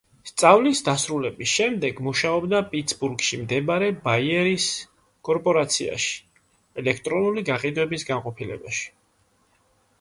სწავლის დასრულების შემდეგ, მუშაობდა პიტსბურგში მდებარე ბაიერის კორპორაციაში, ელექტრონული გაყიდვების განყოფილებაში.